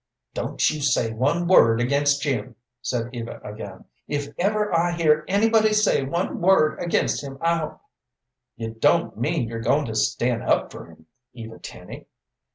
"Don't you say one word against Jim," said Eva again. "If ever I hear anybody say one word against him I'll " "You don't mean you're goin' to stan' up for him, Eva Tenny?"